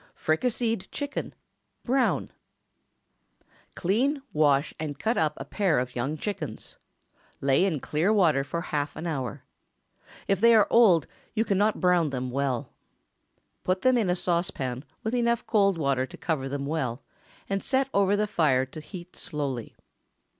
FRICASSEED CHICKEN. (Brown.) ✠ Clean, wash, and cut up a pair of young chickens. Lay in clear water for half an hour. If they are old, you cannot brown them well. Put them in a saucepan, with enough cold water to cover them well, and set over the fire to heat slowly.